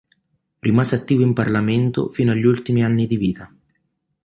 Rimase attivo in Parlamento fino agli ultimi anni di vita.